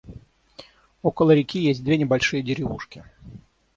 Около реки есть две небольшие деревушки.